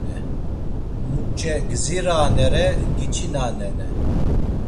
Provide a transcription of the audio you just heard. Muç̌e gdziranere giçinanene.